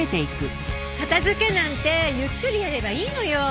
片付けなんてゆっくりやればいいのよ。